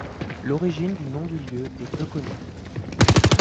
L’origine du nom du lieu est peu connue.